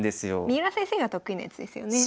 三浦先生が得意なやつですよね？